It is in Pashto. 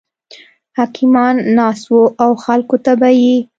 حکیمان ناست وو او خلکو ته به یې